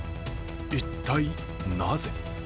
一体、なぜ？